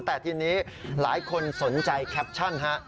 แต่ทีนี้หลายคนสนใจแคปชั่นฮะ